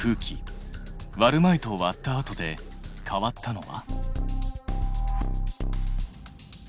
割る前と割った後で変わったのは？